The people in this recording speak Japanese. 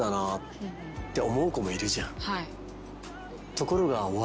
ところが。